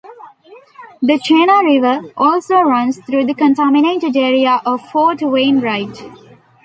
The Chena River also runs through the contaminated area of Fort Wainwright.